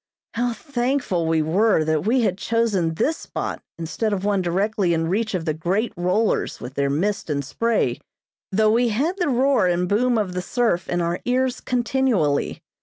How thankful we were that we had chosen this spot instead of one directly in reach of the great rollers with their mist and spray; though we had the roar and boom of the surf in our ears continually.